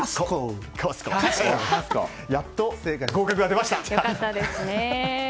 やっと合格が出ました。